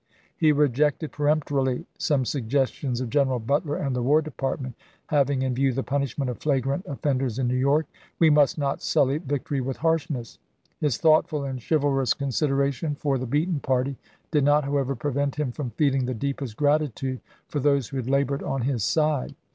He rejected peremptorily some suggestions of General Butler and the War Department having in view the punishment of flagrant offenders in New York: "We must not sully victory with harshness." His thoughtful and chivalrous consideration for the beaten party did not, however, prevent him from feeling the deepest gratitude for those who had labored on his side.